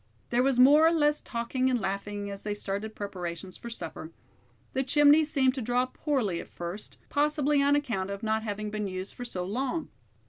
There was more or less talking and laughing as they started preparations for supper. The chimney seemed to draw poorly at first, possibly on account of not having been used for so long.